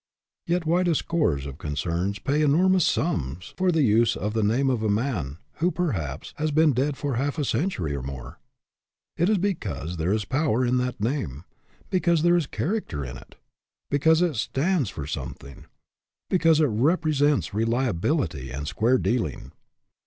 Yet why do scores of concerns pay enormous sums for the use of the name of a man who, perhaps, has been dead for half a century or more ? It is because there is power in that name ; because there is character in it; because it stands for some thing; because it represents reliability and square dealing.